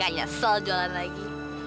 gak nyesel jualan lagi